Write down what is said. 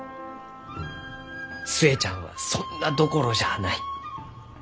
寿恵ちゃんはそんなどころじゃあない。